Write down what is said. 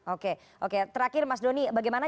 oke oke terakhir mas doni bagaimana